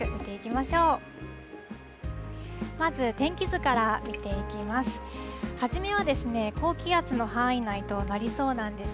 まず、天気図から見ていきます。